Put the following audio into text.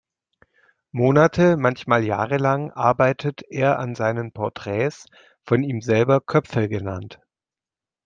Monate-, manchmal jahrelang arbeitet er an seinen Porträts, von ihm selber "Köpfe" genannt.